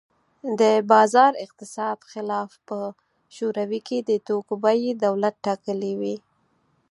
د بازار اقتصاد خلاف په شوروي کې د توکو بیې دولت ټاکلې وې